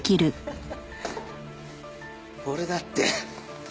俺だって。